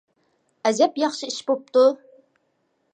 ئەجەب ياخشى ئىش بوپتۇ!